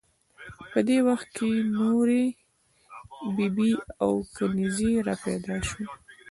په دې وخت کې نورې بي بي او کنیزې را پیدا شوې.